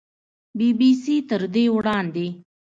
بي بي سي تر دې وړاندې